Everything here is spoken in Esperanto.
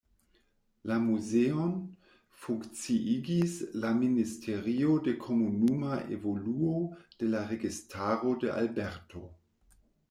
La muzeon funkciigis la Ministerio de Komunuma Evoluo de la Registaro de Alberto.